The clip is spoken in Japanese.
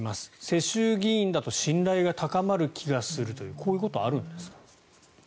世襲議員だと信頼が高まる気がするというこういうことはあるんですか。